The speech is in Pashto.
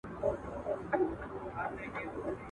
ستا د حسن ترانه وای.